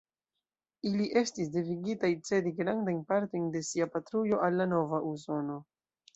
Ili estis devigitaj cedi grandajn partojn de sia patrujo al la nova Usono.